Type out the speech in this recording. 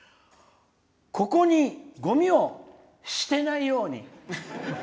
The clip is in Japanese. ここに、ごみをしてないように。